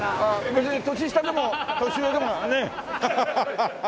別に年下でも年上でもねハハハハハ！